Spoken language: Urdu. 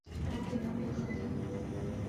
آپ کے نام ایک خط ہے